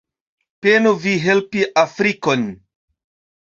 Penu vi helpi Afrikon.